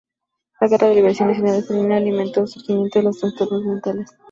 La guerra de liberación nacional argelina alimentó el surgimiento de trastornos mentales.